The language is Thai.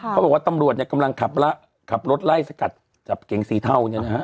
เขาบอกว่าตำรวจเนี่ยกำลังขับรถไล่สกัดจับเก๋งสีเทาเนี่ยนะฮะ